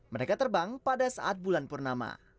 mereka terbang pada saat bulan purnama